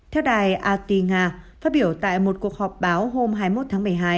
theo đài ati nga phát biểu tại một cuộc họp báo hôm hai mươi một tháng một mươi hai